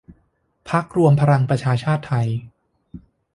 พรรครวมพลังประชาชาติไทย